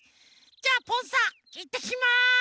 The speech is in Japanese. じゃあぽんさいってきます！